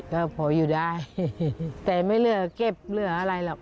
ก็พออยู่ได้แต่ไม่เหลือเก็บเหลืออะไรหรอก